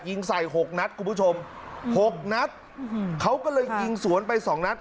ยิงใส่หกนัดคุณผู้ชมหกนัดเขาก็เลยยิงสวนไปสองนัด